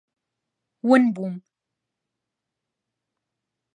ون بووم.